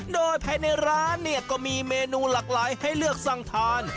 โดยภายในร้านเนี่ยก็มีเมนูหลากหลายให้เลือกสั่งทาน